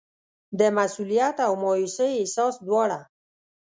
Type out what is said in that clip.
د مسوولیت او مایوسۍ احساس دواړه.